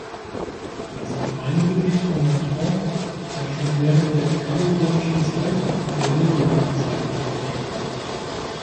Das Gemeindegebiet von Montrond war schon während der gallorömischen Zeit und der Merowingerzeit besiedelt.